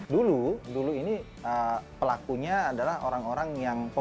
dulu dulu ini pelakunya adalah orang orang yang positif